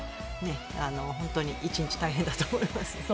本当に、１日大変だと思います。